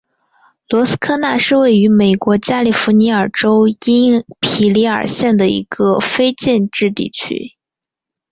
罗斯科纳是位于美国加利福尼亚州因皮里尔县的一个非建制地区。